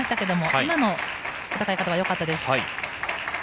今の戦い方はよかったです。